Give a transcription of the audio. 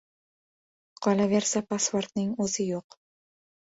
Qolaversa pasportning o‘zi yo‘q.